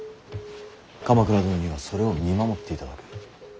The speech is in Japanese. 鎌倉殿にはそれを見守っていただく。